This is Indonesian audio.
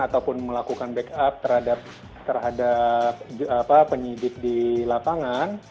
ataupun melakukan backup terhadap penyidik di lapangan